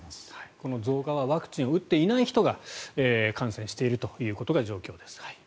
この増加はワクチンを打っていない人が感染しているという状況です。